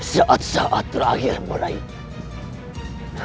saat saat terakhirmu raih